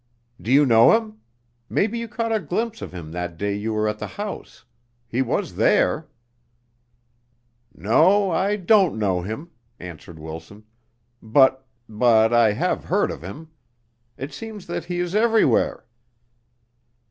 "Do you know him? Maybe you caught a glimpse of him that day you were at the house. He was there." "No, I don't know him," answered Wilson, "but but I have heard of him. It seems that he is everywhere."